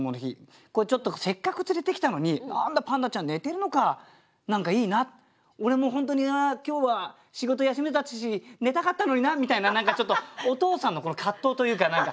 これちょっとせっかく連れてきたのに何だパンダちゃん寝てるのか何かいいな俺も本当に今日は仕事休めたし寝たかったのになみたいな何かちょっとお父さんの葛藤というか。